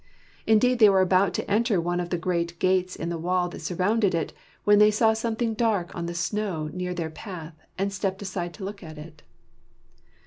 Indeed, they were about to enter one of the great gates in the wall that surrounded it, when they saw something dark on the snow near their path, and stepped aside to look at it.